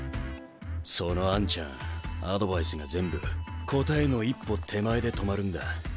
そのあんちゃんアドバイスが全部答えの一歩手前で止まるんだ。